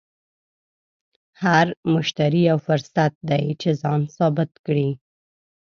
هر مشتری یو فرصت دی چې ځان ثابت کړې.